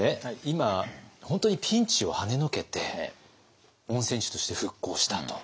今本当にピンチをはねのけて温泉地として復興したと。